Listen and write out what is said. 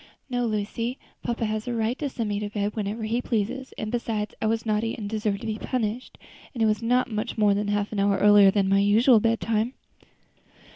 "No, Lucy, papa has a right to send me to bed whenever he pleases; and besides, I was naughty and deserved to be punished; and it was not much more than half an hour earlier than my usual bedtime."